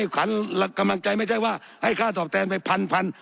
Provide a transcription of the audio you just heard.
ขวัญกำลังใจไม่ใช่ว่าให้ค่าตอบแทนไปพัน